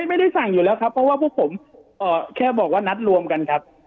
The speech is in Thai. ไม่ได้สั่งอยู่แล้วครับเพราะว่าพวกผมแค่บอกว่านัดรวมกันครับ